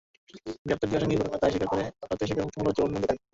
গ্রেপ্তার দুই আসামি ঘটনার দায় স্বীকার করে আদালতে স্বীকারোক্তিমূলক জবানবন্দি দেন।